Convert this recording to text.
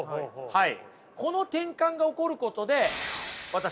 はい。